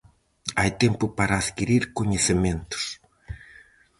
Hai tempo para adquirir coñecementos.